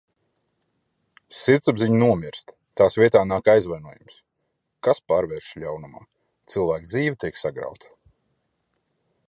Sirdsapziņa nomirst, tās vietā nāk aizvainojums, kas pārvēršas ļaunumā. Cilvēka dzīve tiek sagrauta.